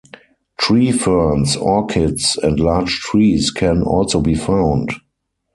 Tree ferns, orchids and large trees can also be found.